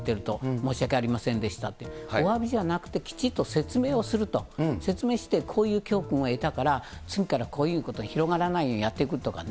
申し訳ありませんでしたって、おわびじゃなくてすぐに説明をすると、説明して、こういう教訓を得たから、次からこういうことが広がらないようにやっていくとかね。